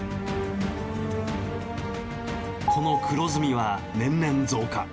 この黒ずみは年々増加。